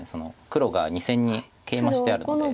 黒が２線にケイマしてあるので。